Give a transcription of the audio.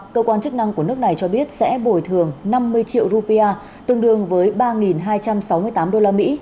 cơ quan chức năng của nước này cho biết sẽ bồi thường năm mươi triệu rupia tương đương với ba hai trăm sáu mươi tám đô la mỹ